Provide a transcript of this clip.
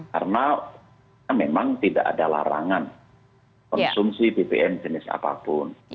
karena memang tidak ada larangan konsumsi bbm jenis apapun